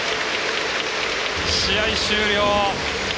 試合終了。